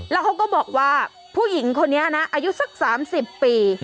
แล้วเขาก็บอกว่าผู้หญิงคนนี้นะอายุสัก๓๐ปี